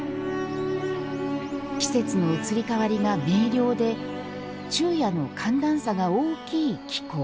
季節の移り変わりが明瞭で昼夜の寒暖差が大きい気候。